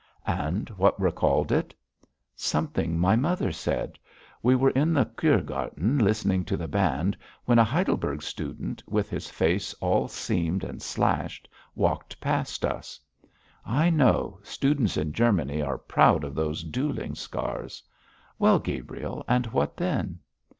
'And what recalled it?' 'Something my mother said. We were in the Kurgarten listening to the band when a Hiedelberg student, with his face all seamed and slashed, walked past us.' 'I know; students in Germany are proud of those duelling scars. Well, Gabriel, and what then?'